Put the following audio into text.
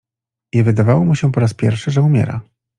I wydawało mu się po raz pierwszy, że umiera.